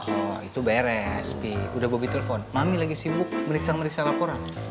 oh itu beres pi udah bobby telepon mami lagi sibuk meniksa meniksa laporan